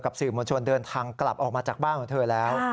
สื่อมวลชนเดินทางกลับออกมาจากบ้านของเธอแล้ว